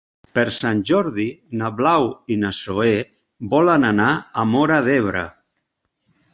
Per Sant Jordi na Blau i na Zoè volen anar a Móra d'Ebre.